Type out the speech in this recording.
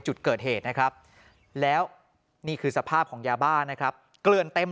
จุดเกิดเหตุนะครับแล้วนี่คือสภาพของยาบ้านะครับเกลือนเต็ม